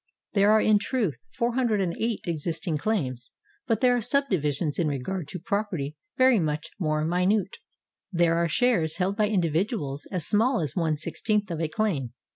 There are in truth 408 existing claims ; but there are subdivisions in regard to property very much more minute. There are shares held by individuals as small as one sixteenth of a claim.